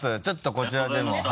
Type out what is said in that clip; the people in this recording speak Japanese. ちょっとこちらでも。